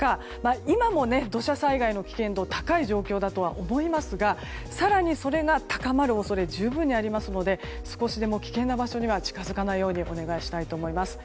今も土砂災害の危険度高い状態ではありますが更に、それが高まる恐れが十分にありますので少しでも危険な場所には近づかないようにお願いしたいと思います。